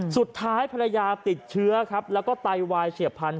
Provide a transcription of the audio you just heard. สุดท้ายภรรยาติดเชื้อและไตวายเฉียบพันธุ์